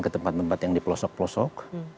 ke tempat tempat yang dipelosok pelosok